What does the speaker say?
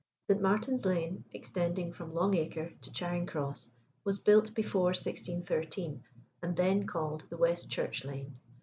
Saint Martin's Lane, extending from Long Acre to Charing Cross, was built before 1613, and then called the West Church Lane.